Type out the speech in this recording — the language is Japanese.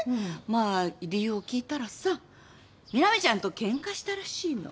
まあ理由を聞いたらさ南ちゃんとけんかしたらしいの。